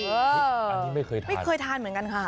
อันนี้ไม่เคยทานเหมือนกันค่ะ